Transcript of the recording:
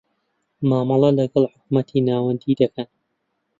مامەڵە لەکەڵ حکومەتی ناوەندی دەکەن.